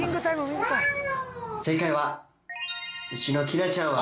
正解はうちのきなちゃんは。